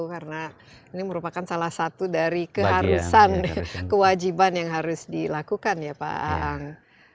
karena ini merupakan salah satu dari keharusan kewajiban yang harus dilakukan ya pak ang